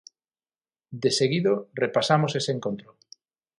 Deseguido, repasamos ese encontro...